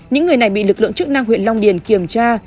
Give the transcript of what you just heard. những người này bị lực lượng chức năng huyện long điền kiểm tra